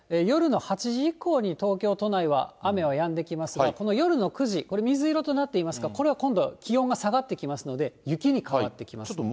夜の８時以降に東京都内は雨はやんできますが、この夜の９時、これ水色となっていますが、これは今度、気温が下がってきますので、雪に変わってきます。